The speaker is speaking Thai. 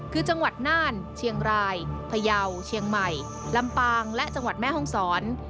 คือจังหวัดน่านเชียงรายพยาวเชียงใหม่ลำปางและจังหวัดแม่ห้องศร